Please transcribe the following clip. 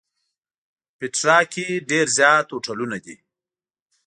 پېټرا کې ډېر زیات هوټلونه دي.